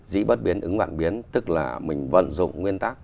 dĩ bất biến ứng vạn biến tức là mình vận dụng nguyên tắc